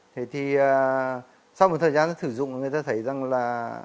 thế thì sau một thời gian sử dụng người ta thấy rằng là